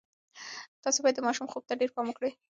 تاسې باید د ماشومانو خوب ته ډېر پام وکړئ.